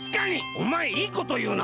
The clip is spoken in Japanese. おまえいいこというな。